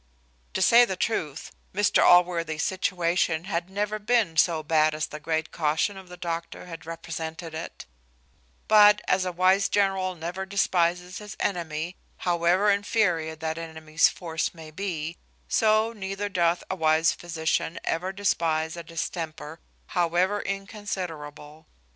To say the truth, Mr Allworthy's situation had never been so bad as the great caution of the doctor had represented it: but as a wise general never despises his enemy, however inferior that enemy's force may be, so neither doth a wise physician ever despise a distemper, however inconsiderable.